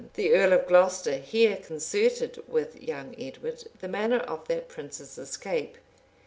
The earl of Glocester here concerted with young Edward the manner of that prince's escape.